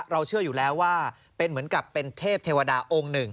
เชื่ออยู่แล้วว่าเป็นเหมือนกับเป็นเทพเทวดาองค์หนึ่ง